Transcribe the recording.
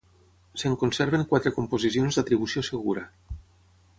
Se'n conserven quatre composicions d'atribució segura.